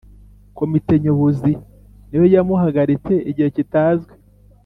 komite nyobozi niyo yamuhagaritse igihe kitazwi